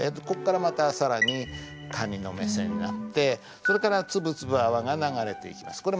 ここからまた更に蟹の目線になってそれから「つぶつぶ泡が流れて行きます」